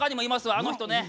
あの人ね。